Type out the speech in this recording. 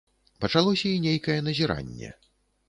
Пачалося і нейкае назіранне.